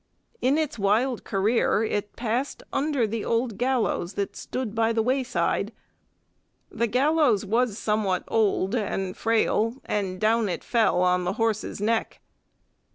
In its wild career it passed under the gallows that stood by the wayside. The gallows was somewhat old and frail, and down it fell on the horse's neck.